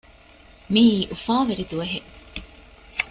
މިއީ އުފާވެރި ދުވަހެއް